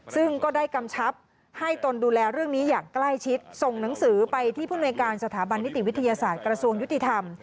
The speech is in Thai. ซึ่งก็ได้กำชับให้ตนดูแลเรื่องนี้อย่างใกล้ชิดส่งหนังสือไปที่ผู้มนุยการสถาบันนิติวิทยาศาสตร์กระทรวงยุติธรรม